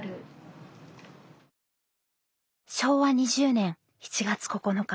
昭和２０年７月９日。